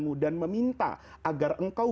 mu dan meminta agar engkau